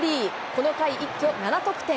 この回、一挙７得点。